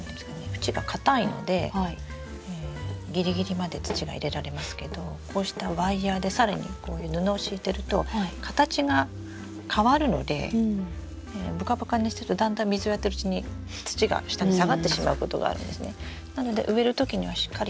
縁が硬いのでギリギリまで土が入れられますけどこうしたワイヤーで更にこういう布を敷いてると形が変わるのでぶかぶかにしてるとだんだん水をやってるうちに土が下にさがってしまうことがあるんですね。